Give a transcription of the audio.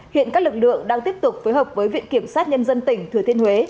hiện các lực lượng đang tiếp tục phối hợp với viện kiểm sát nhân dân tỉnh thừa thiên huế